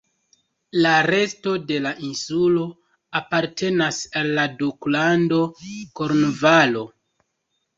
La resto de la insulo apartenas al la Duklando Kornvalo.